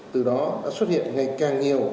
từ đó đã xuất hiện ngày càng nhiều